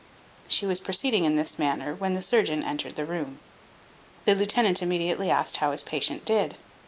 She was proceeding in this manner when the surgeon entered the room. The lieutenant immediately asked how his patient did.